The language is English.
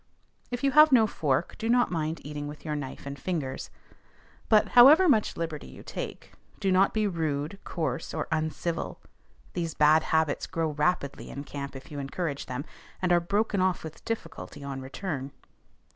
If you have no fork, do not mind eating with your knife and fingers. But, however much liberty you take, do not be rude, coarse, or uncivil: these bad habits grow rapidly in camp if you encourage them, and are broken off with difficulty on return.